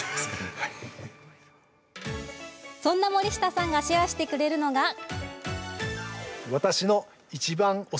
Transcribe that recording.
そんな森下さんがシェアしてくれるのが。